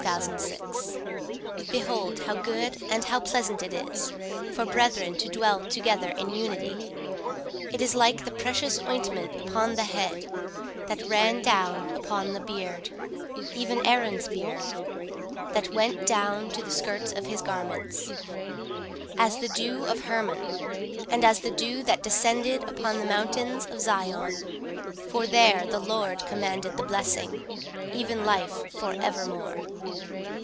19:133:001 Behold, how good and how pleasant it is for brethren to dwell together in unity! 19:133:002 It is like the precious ointment upon the head, that ran down upon the beard, even Aaron's beard: that went down to the skirts of his garments; 19:133:003 As the dew of Hermon, and as the dew that descended upon the mountains of Zion: for there the LORD commanded the blessing, even life for evermore.